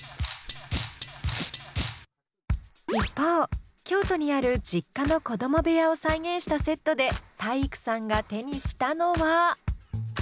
一方京都にある実家の子供部屋を再現したセットで体育さんが手にしたのは。